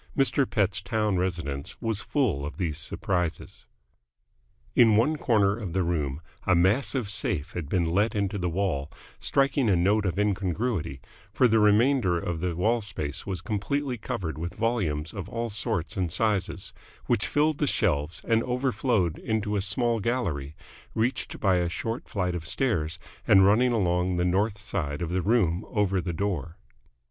Mr. Pett's town residence was full of these surprises. In one corner of the room a massive safe had been let into the wall, striking a note of incongruity, for the remainder of the wall space was completely covered with volumes of all sorts and sizes, which filled the shelves and overflowed into a small gallery, reached by a short flight of stairs and running along the north side of the room over the door.